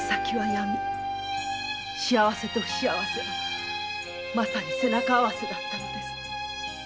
幸せと不幸せは背中合わせだったのです。